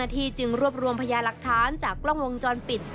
จึงรวบรวมพยาหลักฐานจากกล้องวงจรปิด